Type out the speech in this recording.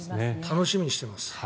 楽しみにしています。